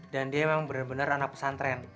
dan dia emang bener bener anak pesantren